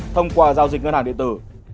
thông qua giao dịch ngân hàng địa tử